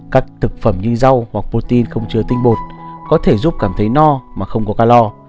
các thực phẩm như rau hoặc pôn không chứa tinh bột có thể giúp cảm thấy no mà không có calor